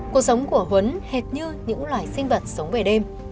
cuộc sống của huấn hệt như những loài sinh vật sống về đêm